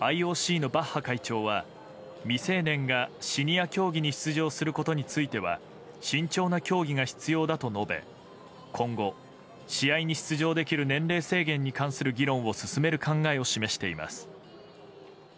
ＩＯＣのバッハ会長は未成年がシニア競技に出場することについては慎重な協議が必要だと述べ今後、試合に出場できる年齢制限に関する議論を進める考えを示しています。